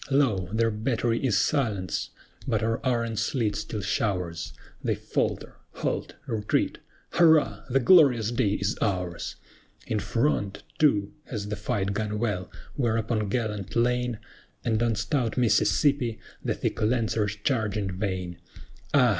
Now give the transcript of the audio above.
Lo! their battery is silenced! but our iron sleet still showers: They falter, halt, retreat, Hurrah! the glorious day is ours! In front, too, has the fight gone well, where upon gallant LANE, And on stout Mississippi, the thick Lancers charged in vain: Ah!